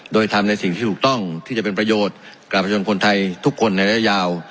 โดยทำในสิ่งที่ถูกต้องที่จะเป็นประโยชน์กับประชาชนคนไทยทุกคนในระยะยาว